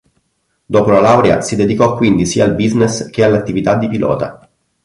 Dopo la laurea si dedicò quindi sia al business che all'attività di pilota.